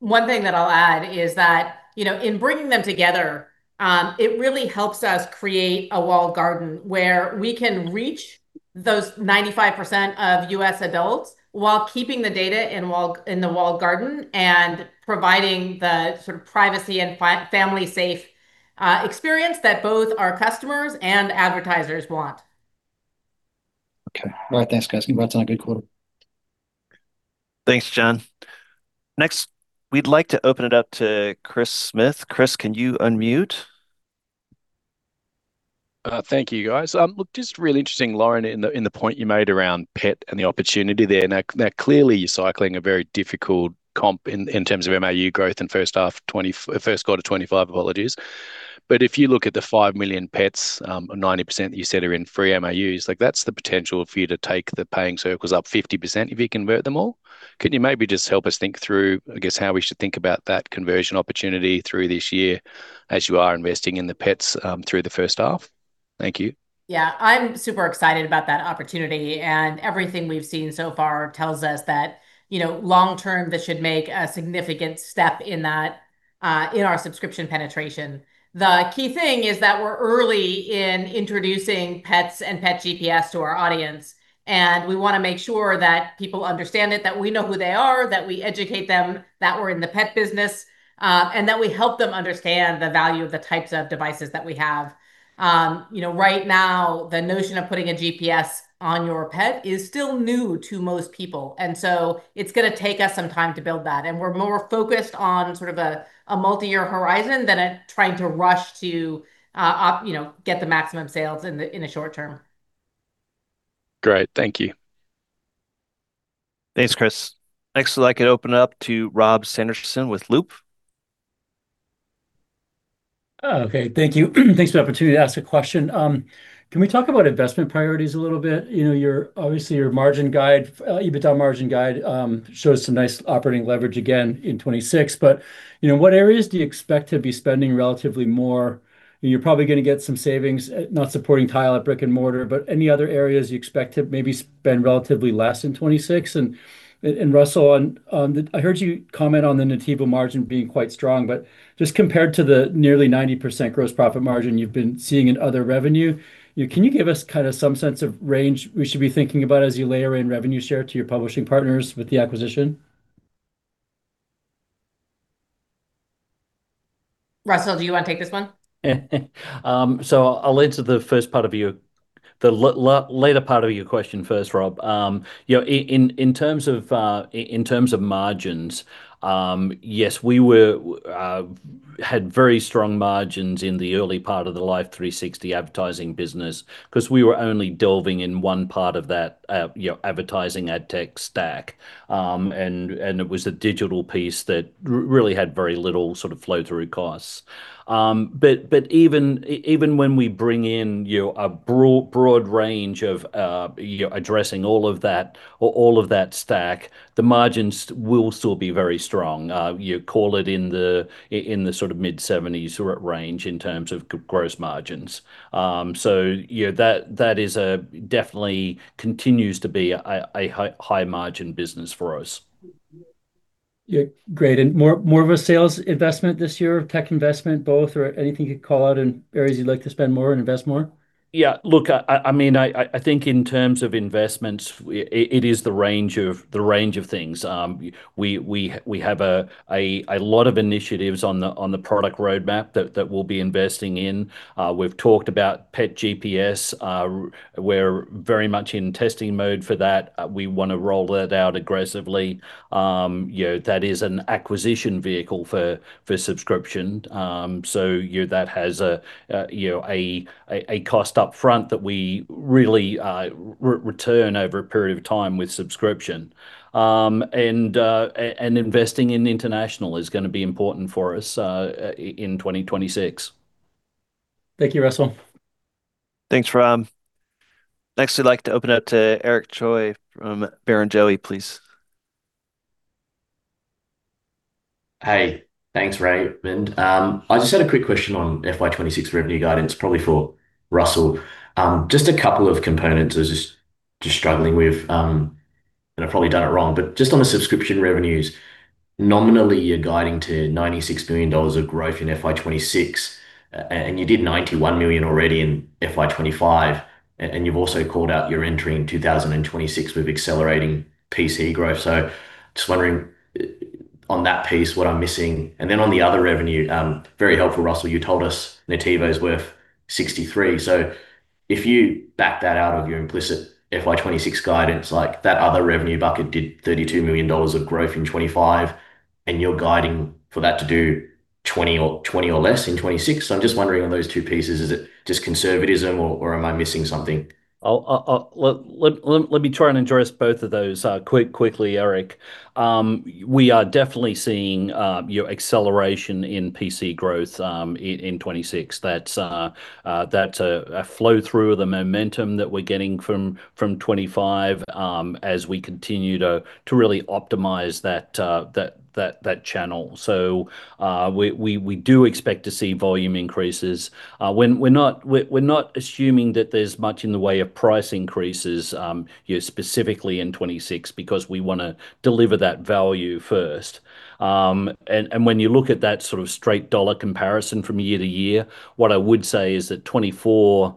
One thing that I'll add is that, you know, in bringing them together, it really helps us create a walled garden where we can reach those 95% of U.S. adults while keeping the data in the walled garden and providing the sort of privacy and family safe experience that both our customers and advertisers want. Okay. All right. Thanks, guys. Congrats on a good 1/4. Thanks, John. Next, we'd like to open it up to Chris Smith. Chris, can you unmute? Thank you, guys. Look, just real interesting, Lauren, in the point you made around pet and the opportunity there. Clearly you're cycling a very difficult comp in terms of MAU growth in first 1/4 2025, apologies. If you look at the 5 million pets, 90% that you said are in free MAUs, like, that's the potential for you to take the Paying Circles up 50% if you convert them all. Can you maybe just help us think through, I guess, how we should think about that conversion opportunity through this year as you are investing in the pets through first 1/2? Thank you. Yeah. I'm super excited about that opportunity. Everything we've seen so far tells us that, you know, long-term this should make a significant step in that, in our subscription penetration. The key thing is that we're early in introducing Pets and Pet GPS to our audience. We wanna make sure that people understand it, that we know who they are, that we educate them, that we're in the pet business, that we help them understand the value of the types of devices that we have. You know, right now the notion of putting a GPS on your pet is still new to most people. It's gonna take us some time to build that. We're more focused on sort of a multi-year horizon than trying to rush to, you know, get the maximum sales in the short term. Great. Thank you. Thanks, Chris. Next I'd like to open up to Rob Sanderson with Loop. Okay. Thank you. Thanks for the opportunity to ask a question. Can we talk about investment priorities a little bit? You know, your, obviously, your margin guide, EBITDA margin guide, shows some nice operating leverage again in 2026. You know, what areas do you expect to be spending relatively more? You're probably gonna get some savings, not supporting Tile at brick-and-mortar, but any other areas you expect to maybe spend relatively less in 2026. Russell, on, I heard you comment on the Nativo margin being quite strong, but just compared to the nearly 90% gross profit margin you've been seeing in other revenue, you know, can you give us kind of some sense of range we should be thinking about as you layer in revenue share to your publishing partners with the acquisition? Russell, do you wanna take this one? I'll answer the first part of your later part of your question first, Rob. you know, in terms of in terms of margins, yes, we were had very strong margins in the early part of the Life360 advertising business, 'cause we were only delving in 1 part of that, you know, advertising ad tech stack. it was a digital piece that really had very little sort of flow-through costs. even when we bring in, you know, a broad range of, you know, addressing all of that stack, the margins will still be very strong. you call it in the in the sort of mid-seventies or at range in terms of gross margins. you know, that is a, definitely continues to be a high margin business for us. Yeah. Great. More of a sales investment this year or tech investment, both? Anything you could call out in areas you'd like to spend more and invest more? Yeah, look, I mean, I think in terms of investments, it is the range of things. We have a lot of initiatives on the product roadmap that we'll be investing in. We've talked about Pet GPS. We're very much in testing mode for that. We wanna roll that out aggressively. You know, that is an acquisition vehicle for subscription. You know, that has a, you know, a cost up front that we really return over a period of time with subscription. Investing in international is gonna be important for us in 2026. Thank you, Russell. Thanks, Rob. Next, we'd like to open up to Eric Choi from Barrenjoey, please. Hey. Thanks, RJ. I just had a quick question on FY 26 revenue guidance, probably for Russell Burke. Just a couple of components I was struggling with, I've probably done it wrong. Just on the subscription revenues, nominally, you're guiding to $96 billion of growth in FY 26, and you did $91 million already in FY 25, and you've also called out you're entering 2026 with accelerating Paying Circles growth. Just wondering on that piece, what I'm missing. On the other revenue, very helpful, Russell Burke, you told us Nativo is worth $63 million. If you back that out of your implicit FY 26 guidance, like, that other revenue bucket did $32 million of growth in 25, and you're guiding for that to do $20 million or less in 26. I'm just wondering on those 2 pieces, is it just conservatism or am I missing something? I'll let me try and address both of those quickly, Eric. We are definitely seeing, you know, acceleration in PC growth in 26. That's a flow through of the momentum that we're getting from 25 as we continue to really optimize that channel. We do expect to see volume increases. We're not assuming that there's much in the way of price increases, you know, specifically in 26 because we wanna deliver that value first. When you look at that sort of straight dollar comparison from year to year, what I would say is that 24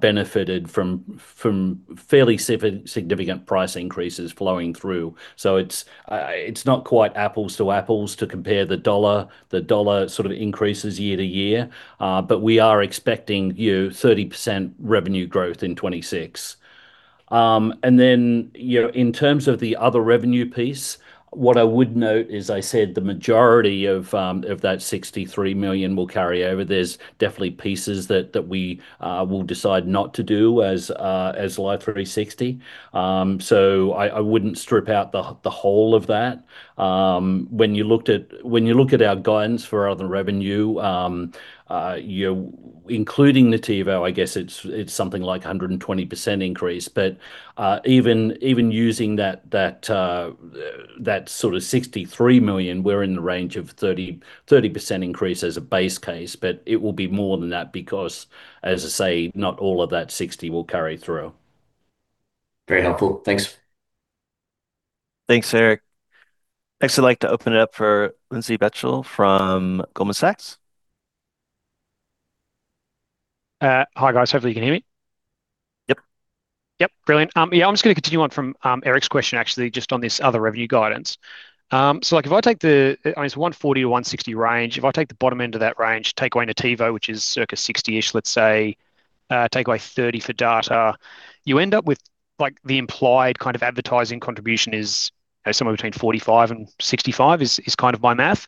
benefited from fairly significant price increases flowing through. It's not quite apples to apples to compare the dollar sort of increases year-over-year. We are expecting, you know, 30% revenue growth in 2026. Then, you know, in terms of the other revenue piece, what I would note is I said the majority of that $63 million will carry over. There's definitely pieces that we will decide not to do as Life360. I wouldn't strip out the whole of that. When you look at our guidance for other revenue, you know, including Nativo, I guess it's something like a 120% increase. Even using that sort of $63 million, we're in the range of 30% increase as a base case. It will be more than that because, as I say, not all of that 60 will carry through. Very helpful. Thanks. Thanks, Eric. Next, I'd like to open it up for Lindsay Bechtel from Goldman Sachs. Hi guys. Hopefully you can hear me. Yep. Yep, brilliant. I'm just gonna continue on from Eric's question, actually, just on this other revenue guidance. Like, if I take the, I mean, it's a $140 million-$160 million range. If I take the bottom end of that range, take away Nativo, which is circa $60 million-ish, let's say, take away $30 million for data, you end up with, like, the implied kind of advertising contribution is, you know, somewhere between $45 million and $65 million is kind of my math.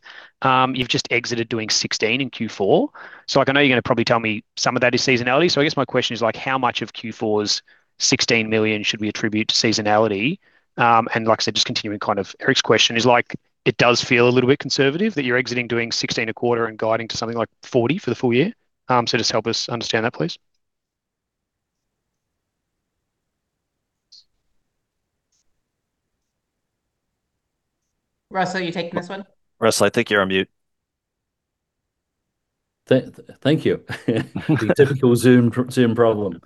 You've just exited doing $16 million in Q4. Like, I know you're gonna probably tell me some of that is seasonality. I guess my question is, like, how much of Q4's $16 million should we attribute to seasonality? Like I said, just continuing kind of Eric's question is, like, it does feel a little bit conservative that you're exiting doing $16 a 1/4 and guiding to something like $40 for the full year. Just help us understand that, please. Russell, you taking this one? Russell, I think you're on mute. Thank you. Typical Zoom problem.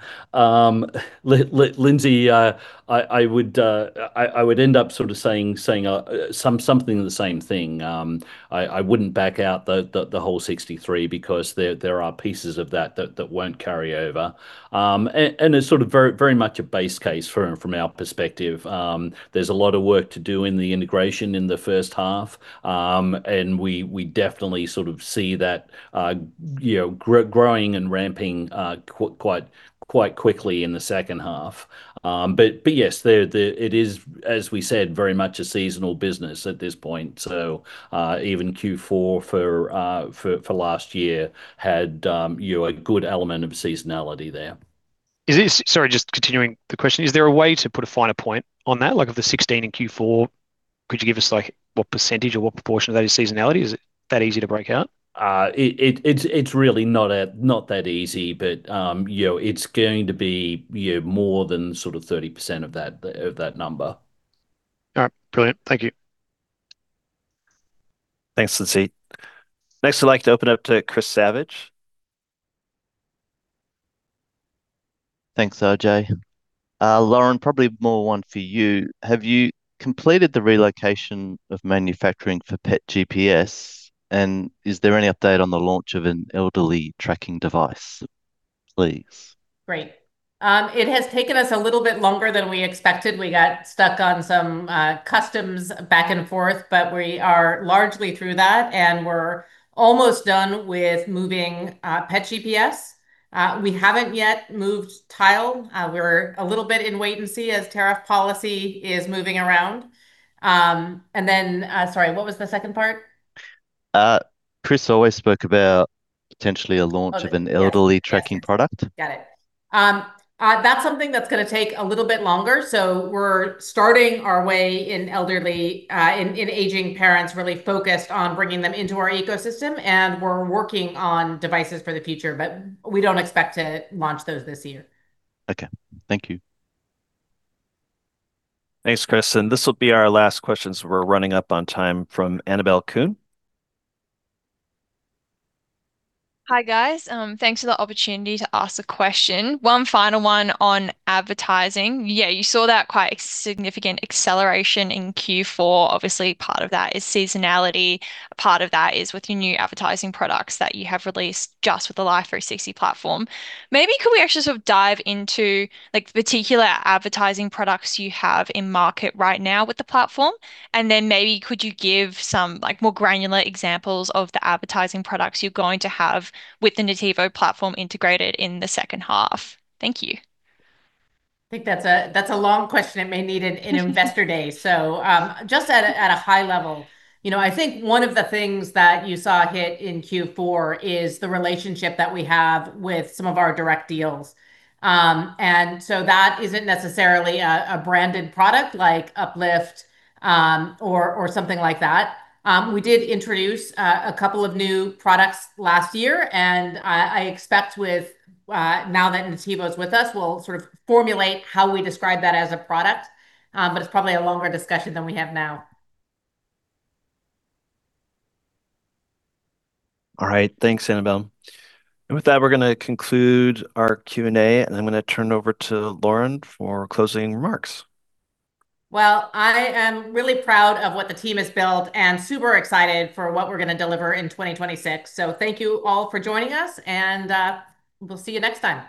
Lindsay, I would end up sort of saying something of the same thing. I wouldn't back out the whole 63, because there are pieces of that that won't carry over. It's sort of very, very much a base case from our perspective. There's a lot of work to do in the integration in the first 1/2. We definitely sort of see that, you know, growing and ramping quite quickly in the second 1/2. Yes, it is, as we said, very much a seasonal business at this point, so even Q4 for last year had, you know, a good element of seasonality there. Sorry, just continuing the question. Is there a way to put a finer point on that? Like, of the 16 in Q4, could you give us, like, what percentage or what proportion of that is seasonality? Is it that easy to break out? It's really not that easy, but, you know, it's going to be, you know, more than sort of 30% of that number. All right. Brilliant, thank you. Thanks, Lindsay. Next, I'd like to open up to Chris Hulls. Thanks, RJ. Lauren, probably more one for you. Have you completed the relocation of manufacturing for Pet GPS, and is there any update on the launch of an elderly tracking device, please? Great. It has taken us a little bit longer than we expected. We got stuck on some customs back and forth, but we are largely through that, and we're almost done with moving Pet GPS. We haven't yet moved Tile. We're a little bit in wait and see as tariff policy is moving around. Sorry, what was the second part? Chris always spoke about potentially a launch. Okay. Yeah. of an elderly tracking product. Got it. That's something that's gonna take a little bit longer. We're starting our way in elderly, in Aging Parents, really focused on bringing them into our ecosystem, and we're working on devices for the future, but we don't expect to launch those this year. Okay. Thank you. Thanks, Chris. This will be our last question, so we're running up on time, from Anabel Cantu. Hi, guys. Thanks for the opportunity to ask a question. One final one on advertising. You saw that quite significant acceleration in Q4. Obviously, part of that is seasonality, part of that is with your new advertising products that you have released just with the Life360 platform. Maybe could we actually sort of dive into, like, particular advertising products you have in market right now with the platform, and then maybe could you give some, like, more granular examples of the advertising products you're going to have with the Nativo platform integrated in the second 1/2? Thank you. I think that's a, that's a long question. It may need an investor day. Just at a, at a high level, you know, I think one of the things that you saw hit in Q4 is the relationship that we have with some of our direct deals. That isn't necessarily a branded product like Uplift, or something like that. We did introduce a couple of new products last year, and I expect with now that Nativo's with us, we'll sort of formulate how we describe that as a product. It's probably a longer discussion than we have now. All right. Thanks, Anabel. With that, we're gonna conclude our Q&A, and I'm gonna turn over to Lauren for closing remarks. I am really proud of what the team has built, and super excited for what we're gonna deliver in 2026. Thank you all for joining us, and we'll see you next time.